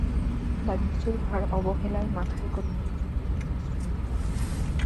দারিদ্র্যের ভার অবহেলায় মাথায় করে নিয়ে যোগ দিলেন আশ্রমের কাজে।